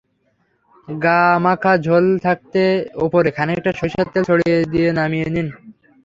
গা-মাখা ঝোল থাকতে ওপরে খানিকটা সরিষার তেল ছড়িয়ে দিয়ে নামিয়ে নিন।